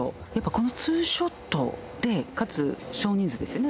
この２ショットでかつ少人数ですよね。